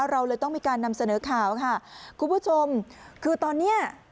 เราเลยต้องมีการนำเสนอข่าวค่ะคุณผู้ชมคือตอนเนี้ย